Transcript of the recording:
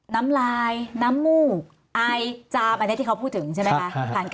น้ำลายน้ำมูกอายจามอันนี้ที่เขาพูดถึงใช่ไหมคะ